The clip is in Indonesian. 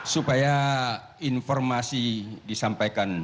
supaya informasi disampaikan